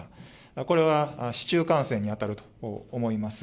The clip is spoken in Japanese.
これは市中感染に当たると思います。